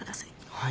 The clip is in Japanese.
はい。